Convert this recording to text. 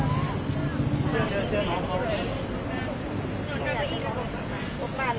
หาเขาขึ้นมาดีกว่าครับ